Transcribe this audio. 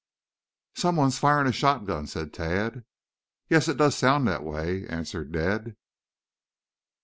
"Someone firing a shotgun," said Tad. "Yes, it does sound that way," answered Ned.